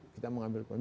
kita mengambil keputusan